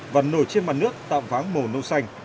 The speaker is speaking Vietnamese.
và nổi trên mặt nước tạo váng màu nâu xanh